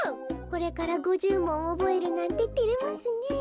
これから５０もんおぼえるなんててれますねえ。